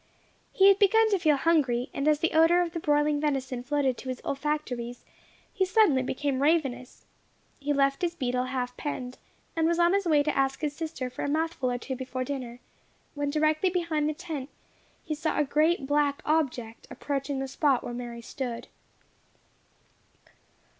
He had begun to feel hungry; and as the odour of the broiling venison floated to his olfactories, he suddenly became ravenous. He left his beetle half penned, and was on his way to ask his sister for a mouthful or two before dinner, when directly behind the tent he saw a great black object approaching the spot where Mary stood.